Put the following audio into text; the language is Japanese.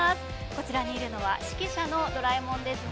こちらにいるのは指揮者のドラえもんですね。